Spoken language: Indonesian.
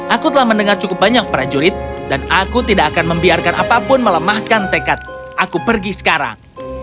aku telah mendengar cukup banyak prajurit dan aku tidak akan membiarkan apapun melemahkan tekad aku pergi sekarang